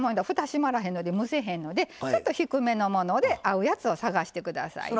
閉まらへんので蒸せへんのでちょっと低めのもので合うやつを探して下さいね。